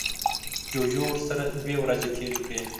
جوجو ورسره دوه ورځې تیرې کړې.